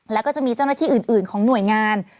แล้วก็จะมีเจ้าหน้าที่อื่นของหน่วยงาน